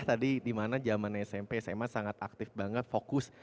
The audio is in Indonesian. tadi dimana zaman smp sma sangat aktif banget fokus